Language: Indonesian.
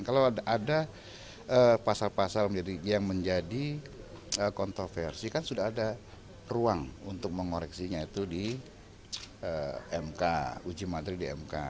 kalau ada pasal pasal yang menjadi kontroversi kan sudah ada ruang untuk mengoreksinya itu di mk uji materi di mk